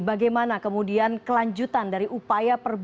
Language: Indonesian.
bagaimana kemudian kelanjutan dari upaya perbaikan